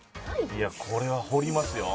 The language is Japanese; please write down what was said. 「いやこれは掘りますよ」